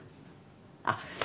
あっ。